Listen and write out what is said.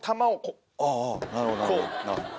うんなるほどなるほど。